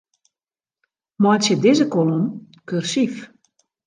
Meitsje dizze kolom kursyf.